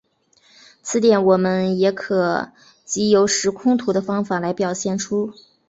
此点我们也可藉由时空图的方法来表现出。